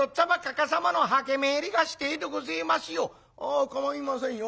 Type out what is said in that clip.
「あ構いませんよ。